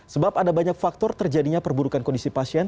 sebab ada banyak faktor terjadinya perburukan kondisi pasien